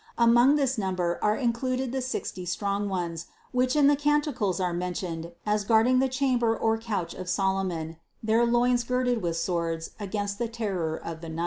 Among this number are included the sixty strong ones, which in the Canticles are mentioned as guarding the chamber or couch of Solomon, their loins girded with swords against the terror of the night.